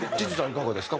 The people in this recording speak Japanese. いかがですか？